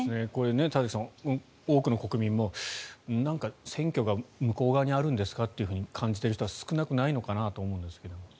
田崎さん、多くの国民もなんか選挙が向こう側にあるんですかと感じている人は少なくないのかなと思いますが。